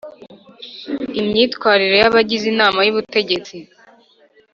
imyitwarire y abagize inama y ubutegetsi